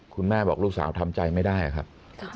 คุณแม่บอกลูกสาวทำใจไม่ได้ครับ